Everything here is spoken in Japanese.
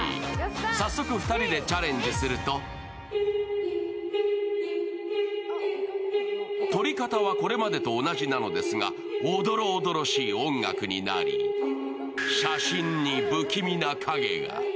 早速、２人でチャレンジすると、撮り方はこれまでと同じなのですが、おどろおどろしい音楽になり、写真に不気味な影が。